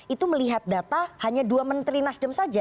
itu melihat data hanya dua menteri nasdem saja